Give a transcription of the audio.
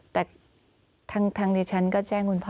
แต่ทางดิฉันก็แจ้งคุณพ่อ